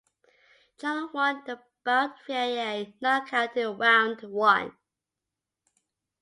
Jung won the bout via knockout in round one.